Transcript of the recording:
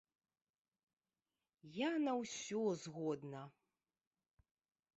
Я на ўсё згодна.